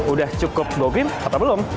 udah cukup bogrim atau belum